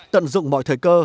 tận dụng mọi thời cơ